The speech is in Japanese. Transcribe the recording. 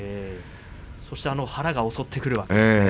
そしてあの腹が襲ってくるわけですね。